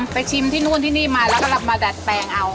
ชิมที่นู่นที่นี่มาแล้วก็รับมาดัดแปลงเอา